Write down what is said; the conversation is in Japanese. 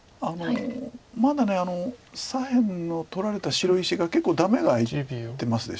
まだ左辺の取られた白石が結構ダメが空いてますでしょ。